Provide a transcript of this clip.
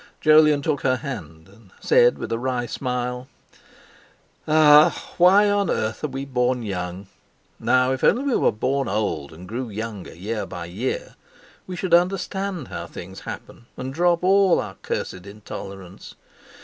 Jolyon took her hand, and said with a wry smile: "Ah! why on earth are we born young? Now, if only we were born old and grew younger year by year, we should understand how things happen, and drop all our cursed intolerance.